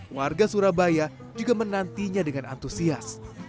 warga surabaya juga menantinya dengan antusias